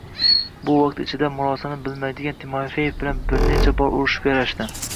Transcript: Bu vaqt ichida murosani bilmaydigan Timofeev bilan bir necha bor urishib-yarashdi.